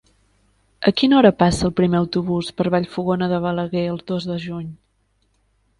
A quina hora passa el primer autobús per Vallfogona de Balaguer el dos de juny?